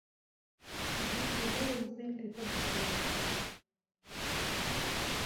Zik, yella umzil deg taddart-nneɣ.